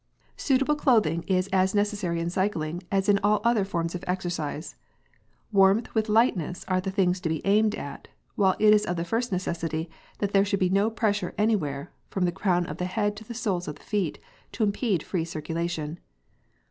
p> Suitable clothing is as necessary in cycling as in all other forms of exercise. Warmth with lightness are the things to be aimed at, while it is of the first necessity that there should be no pressure anywhere, from the crown of the head to the soles of the feet, to impede free circulation.